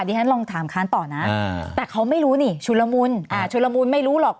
อ่ะดิฉันลองถามค้านต่อนะแต่เขาไม่รู้นี่ชุลมุลอ่าชุลมุลไม่รู้หรอก